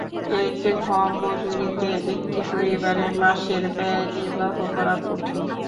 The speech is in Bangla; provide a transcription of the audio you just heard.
এর চেয়ে কম মজুরিতে একটি পরিবারের মাসের ব্যয় নির্বাহ করা কঠিন।